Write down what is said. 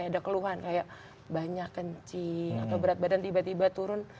ada keluhan kayak banyak kencing atau berat badan tiba tiba turun